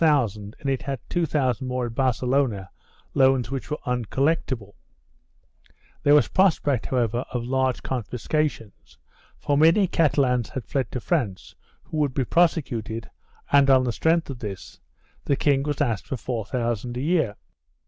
480 CONFLICTING JURISDICTIONS [BOOK II thousand and it had two thousand more in Barcelona loans which were incollec table; there was prospect however of large confis cations, for many Catalans had fled to France who would be prosecuted and, on the strength of this, the king was asked for four thousand a year.